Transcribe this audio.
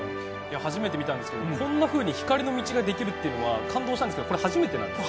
初めて見たんですがこんなふうに光の道ができるのは感動したんですがこれ、初めてなんですか？